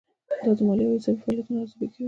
دا د مالي او حسابي فعالیتونو ارزیابي کوي.